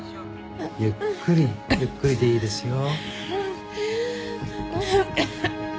ゆっくりゆっくりでいいですよ。